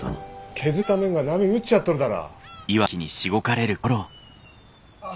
削った面が波打っちゃっとるだら。